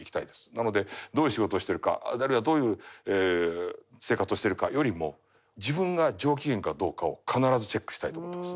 なのでどういう仕事をしてるかあるいはどういう生活をしてるかよりも自分が上機嫌かどうかを必ずチェックしたいと思ってます。